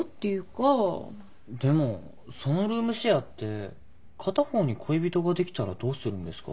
でもそのルームシェアって片方に恋人ができたらどうするんですか？